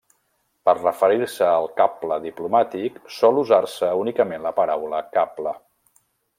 Per referir-se al cable diplomàtic, sol usar-se únicament la paraula cable.